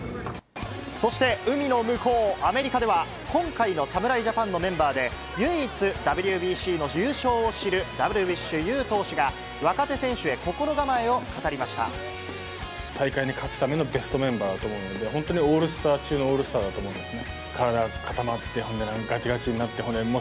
そして海の向こう、アメリカでは、今回の侍ジャパンのメンバーで、唯一ＷＢＣの優勝を知るダルビッシュ有投手が、大会に勝つためのベストメンバーだと思うので、本当にオールスター中のオールスターだと思うんですね。